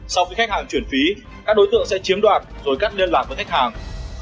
sau khi khách hàng chuyển phí các đối tượng sẽ chiếm đoạt rồi cắt liên lạc với khách hàng